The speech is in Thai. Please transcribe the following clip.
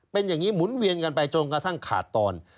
เป็นอย่างนี้หมุนเวียนกันไปจนกระทั่งขาดตอน